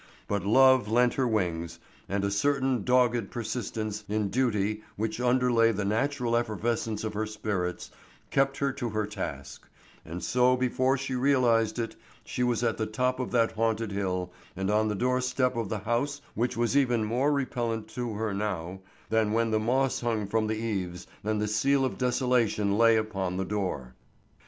But love lent her wings, and a certain dogged persistence in duty which underlay the natural effervescence of her spirits kept her to her task, and so before she realized it she was at the top of that haunted hill and on the doorstep of the house which was even more repellent to her now than when the moss hung from the eaves and the seal of desolation lay upon the door.